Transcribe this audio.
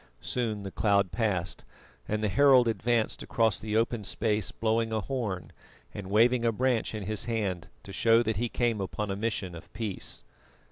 Soon the cloud passed, and the herald advanced across the open space blowing a horn, and waving a branch in his hand to show that he came upon a mission of peace.